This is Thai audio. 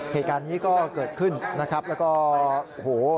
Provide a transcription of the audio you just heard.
เหตุการณ์นี้ก็เกิดขึ้นนะครับแล้วก็โอ้โห